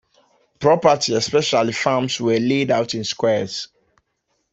Property, especially farms, were laid out in squares.